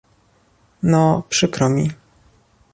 No, przykro mi